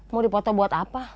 mau dipoto buat apa